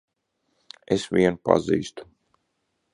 Es vienu pazīstu.